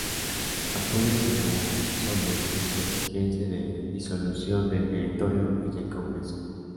Apoyó al general Soler en su exigencia de disolución del Directorio y del Congreso.